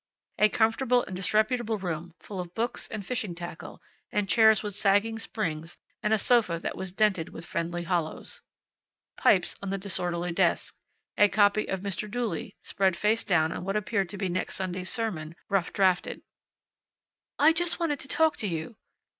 A comfortable and disreputable room, full of books, and fishing tackle, and chairs with sagging springs, and a sofa that was dented with friendly hollows. Pipes on the disorderly desk. A copy of "Mr. Dooley" spread face down on what appeared to be next Sunday's sermon, rough drafted. "I just wanted to talk to you."